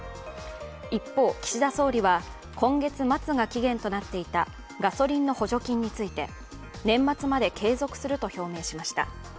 一方、岸田総理は今月末が期限となっていたガソリンの補助金について年末まで継続すると表明しました。